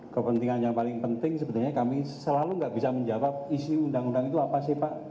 kepentingan yang paling penting sebenarnya kami selalu nggak bisa menjawab isi undang undang itu apa sih pak